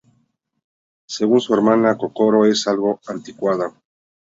Según su hermana Kokoro es algo anticuada.